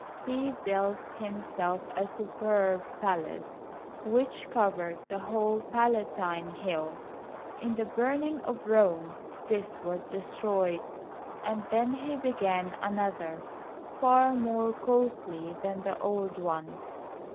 He built himself a superb palace which covered the whole Palatine Hill. In the burning of Rome this was de stroyed, and then he began another far more costly than the old one.